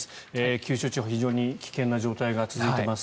九州地方、非常に危険な状態が続いています。